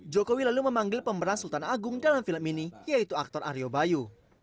jokowi lalu memanggil pemeran sultan agung dalam film ini yaitu aktor aryo bayu